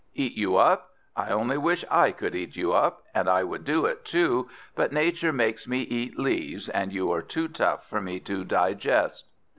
Eat you up? I only wish I could eat you up, and I would do it too, but nature makes me eat leaves, and you are too tough for me to digest."